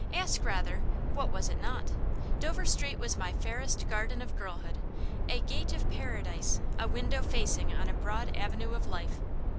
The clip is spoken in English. Ask rather, What was it not? Dover Street was my fairest garden of girlhood, a gate of paradise, a window facing on a broad avenue of life.